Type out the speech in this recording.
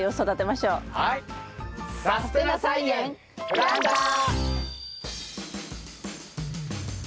「さすてな菜園プランター」。